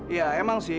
ya emang sih